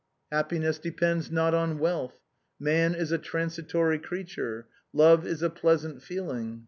" Happiness depends not on wealth/' " Man is a transitory creature." " Love is a pleasant feeling."